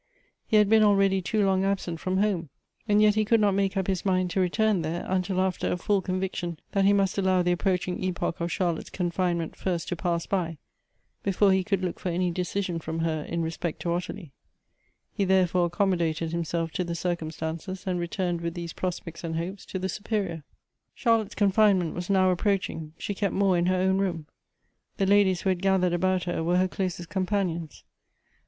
He had been already too long absent from home, and yet he could not iriake up his mind to return there, until after a full conviction that he must allow the approaching epoch of Charlotte's confinement first to pass by, before he could look for any decision from her in respect to Ottilie. He therefore accommodated himself to the circumstances and returned with these prospects and hopes to the Su perior. Charlotte's confinement was now approaching ; she kept more in her own room. The ladies who had gath ered about her were her closest companions.